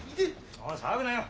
・おい騒ぐなよ。